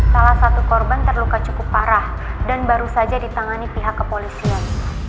salah satu korban terluka cukup parah dan baru saja ditangani pihak kepolisian